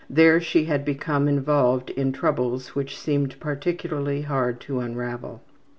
There she had become involved in troubles which seemed particularly hard to unravel.